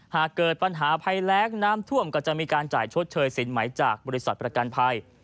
หากเกิดปัญหาภัยแรงน้ำท่วมก็จะมีการจ่ายชดเชยสินไหมจากบริษัทประกันภัย